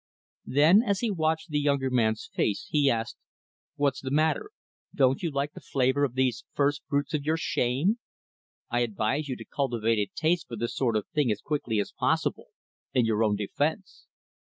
Then, as he watched the younger man's face, he asked, "What's the matter, don't you like the flavor of these first fruits of your shame? I advise you to cultivate a taste for this sort of thing as quickly as possible in your own defense."